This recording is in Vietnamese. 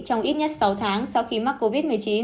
trong ít nhất sáu tháng sau khi mắc covid một mươi chín